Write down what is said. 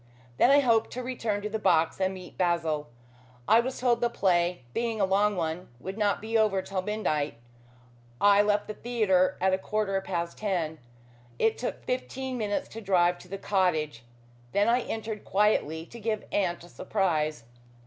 Then I hoped to return to the box and meet Basil. I was told the play, being a long one, would not be over till midnight. I left the theatre at a quarter past ten. It took fifteen minutes to drive to the cottage. Then I entered quietly to give aunt a surprise."